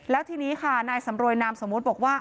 แล้วทีนี้ค่ะนายสำรวยนามสมมุติบอกว่า